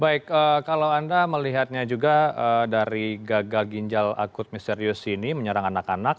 baik kalau anda melihatnya juga dari gagal ginjal akut misterius ini menyerang anak anak